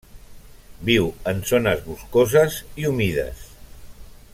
Viu en zones boscoses i humides.